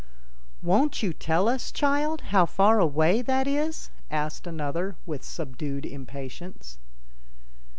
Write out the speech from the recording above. "Won't you tell us, child, how far away that is?" asked another with subdued impatience.